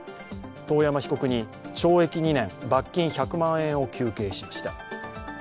遠山被告に懲役２年罰金１００万円を求刑しました。